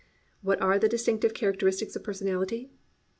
What are the distinctive characteristics of personality?